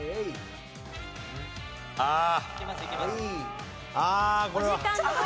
ああ！